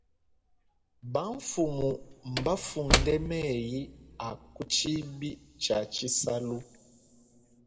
Bamfumu mbafunde meyi a ku tshibi tshia tshisalu.